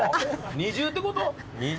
二重ってこと？